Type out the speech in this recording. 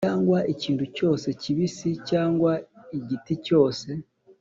cyangwa ikintu cyose kibisi cyangwa igiti cyose,